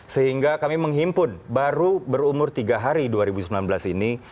sehingga kami menghimpun baru berumur tiga hari dua ribu sembilan belas ini